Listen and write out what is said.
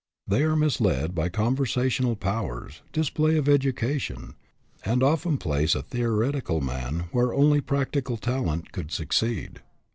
They are misled by con versational powers, display of education, and often place a theoretical man where only practical talent could succeed.